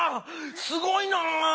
すごいな！